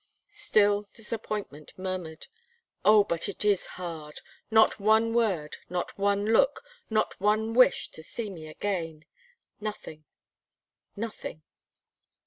still disappointment murmured: "Oh! but it is hard! not one word, not one look, not one wish to see me again; nothing nothing."